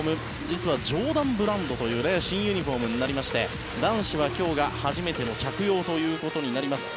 実はジョーダンブランドという新ユニホームになりまして男子は今日が初めての着用となります。